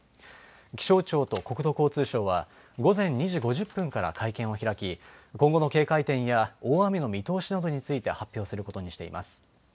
気象庁と国土交通省は午前２時５０分から会見を開き今後の警戒点や大雨の見通しなどについて発表することにしてます。